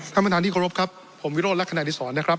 ท่านประธานที่เคารพครับผมวิโรธลักษณะดิสรนะครับ